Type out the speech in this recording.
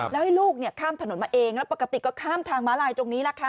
แล้วให้ลูกข้ามถนนมาเองแล้วปกติก็ข้ามทางม้าลายตรงนี้แหละค่ะ